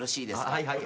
はいはい？